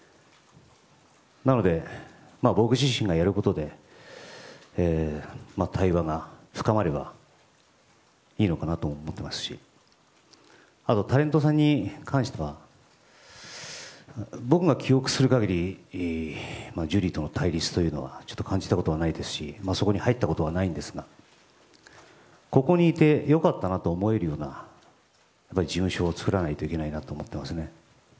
なので、僕自身がやることで対話が深まればいいのかなと思ってますしあとタレントさんに関しては僕が記憶する限りジュリーとの対立というのはちょっと感じたことはないですしそこに入ったことはないんですがここにいて良かったなと思えるような事務所を作らないといけないなと思っていますね。